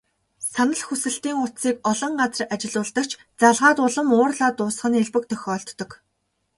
Санал хүсэлтийн утсыг олон газар ажиллуулдаг ч, залгаад улам уурлаад дуусах нь элбэг тохиолддог.